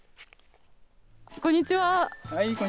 こんにちは。